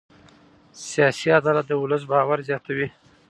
سیاسي عدالت د ولس باور زیاتوي